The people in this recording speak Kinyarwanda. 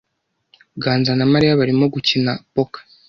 Ganza na Mariya barimo gukina poker.